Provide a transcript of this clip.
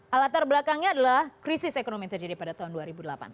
alat terbelakangnya adalah krisis ekonomi terjadi pada tahun dua ribu delapan